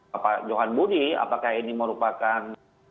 bapak johan budi apakah ini merupakan